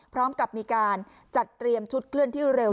พร้อมกับมีการจัดเตรียมชุดเคลื่อนที่เร็ว